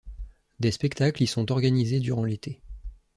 Des spectacles y sont organisés durant l'été.